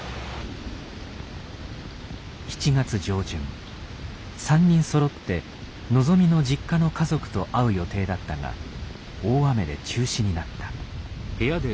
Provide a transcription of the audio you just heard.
７月上旬３人そろって望の実家の家族と会う予定だったが大雨で中止になった。